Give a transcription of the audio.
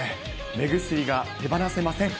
目薬が手離せません。